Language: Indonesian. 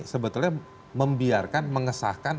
sebetulnya membiarkan mengesahkan